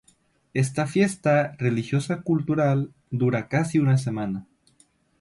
Esta fiesta religiosa-cultural dura casi una semana.